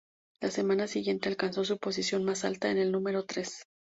La semana siguiente alcanzó su posición más alta en el número tres.